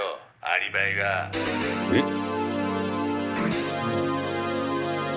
アリバイが」えっ！？